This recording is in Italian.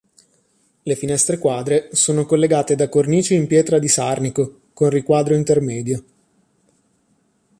Le finestre quadre sono collegate da cornici in pietra di Sarnico, con riquadro intermedio.